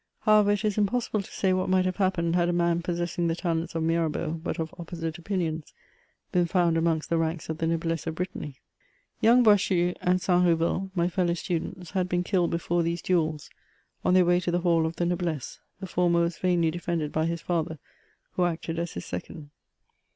However, it is impossible to say what might have happened had a man possessing the talents of Mirabeau, but of opposite opinions, been found amongst the ranks of the noblesse of Brittany. Young Boishue, and Saint Biveul, my fellow students, had been killed before these duels, on their way to the hall of the noblesse; the former was vainly defended by his father, who acted as his second.